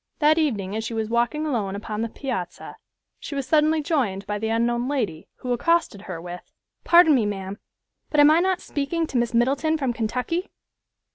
That evening as she was walking alone upon the piazza, she was suddenly joined by the unknown lady, who accosted her with, "Pardon me, ma'am, but am I not speaking to Miss Middleton from Kentucky?"